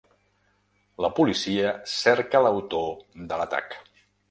La policia cerca l’autor de l’atac.